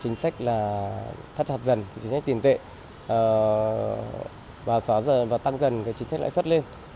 chính sách là thắt hạt dần chính sách tiền tệ và tăng dần chính sách lãi xuất lên